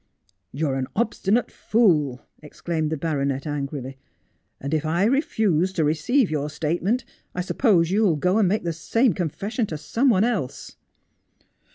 ' You are an obstinate fool,' exclaimed the baronet angrily. ' And if I refuse to receive your statement I suppose you will go and make the same confession to some one else.'